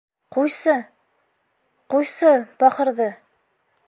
— Ҡуйсы, ҡуйсы, бахырҙы.